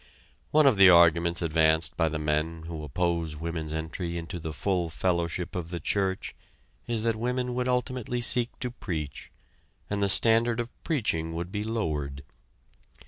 One of the arguments advanced by the men who oppose women's entry into the full fellowship of the church is that women would ultimately seek to preach, and the standard of preaching would be lowered.